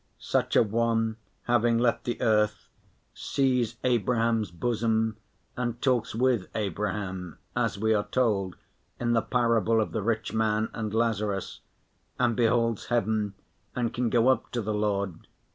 Such a one, having left the earth, sees Abraham's bosom and talks with Abraham as we are told in the parable of the rich man and Lazarus, and beholds heaven and can go up to the Lord.